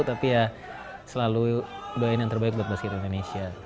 tapi ya selalu doain yang terbaik buat basket indonesia